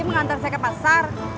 mengantar saya ke pasar